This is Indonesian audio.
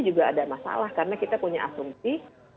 juga ada masalah karena kita punya asumsi